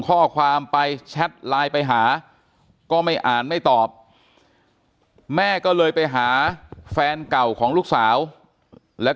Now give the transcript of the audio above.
ข้อความไปแชทไลน์ไปหาก็ไม่อ่านไม่ตอบแม่ก็เลยไปหาแฟนเก่าของลูกสาวแล้ว